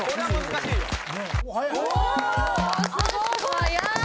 早い。